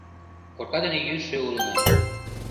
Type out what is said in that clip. Корка дене йӱшӧ улына.